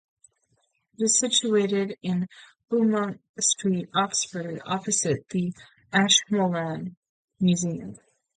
It is situated in Beaumont Street, Oxford, opposite the Ashmolean Museum.